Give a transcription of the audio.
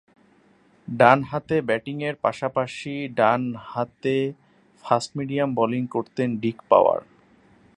ডানহাতে ব্যাটিংয়ের পাশাপাশি ডানহাতে ফাস্ট মিডিয়াম বোলিং করতেন ডিক পাওয়ার।